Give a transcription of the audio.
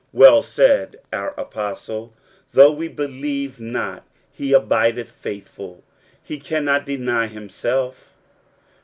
Well said our apostle, " Though we believe not, he abideth faithful : he cannot deny himself."